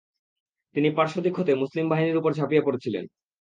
তিনি পার্শ্বদিক হতে মুসলিম বাহিনীর উপর ঝাঁপিয়ে পড়েছিলেন।